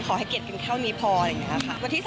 ขอให้เกียรติกันเท่านี้พออะไรอย่างนี้ค่ะ